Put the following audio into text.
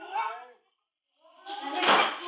nih liat sendiri